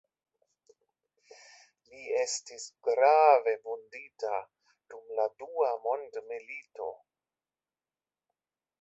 Li estis grave vundita dum la dua mondmilito.